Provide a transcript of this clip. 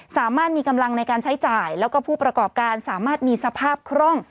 สามารถมีกำลังในการใช้จ่ายแล้วก็ผู้ประกอบการสามารถมีสภาพคล่อง